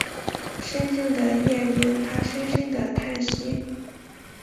沈静的夜里他深深的叹息